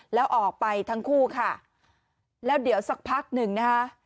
แล้วออกไปทั้งคู่ค่ะแล้วเดี๋ยวสักพักหนึ่งนะคะ